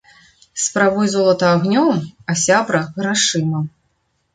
Спрабуй золата агнём, а сябра - грашыма